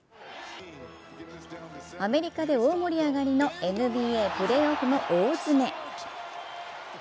アメリカで大盛り上がりのＮＢＡプレーオフの大詰め。